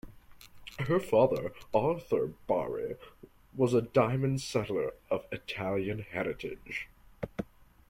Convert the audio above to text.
Her father, Arthur Bari, was a diamond setter of Italian heritage.